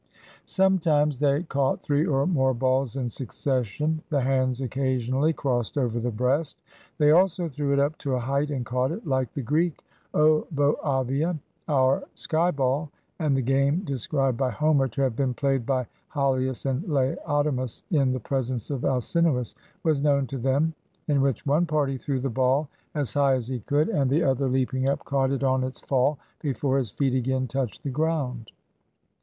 Sometimes they caught three or more balls in succes sion, the hands occasionally crossed over the breast; they also threw it up to a height and caught it, like the Greek ovoavia, our "sky ball"; and the game described by Homer to have been played by Hahus and Laodamus, in the presence of Alcinoiis, was known to them; in which one party threw the ball as high as he could, and the other, leaping up, caught it on its fall, before his feet again touched the ground.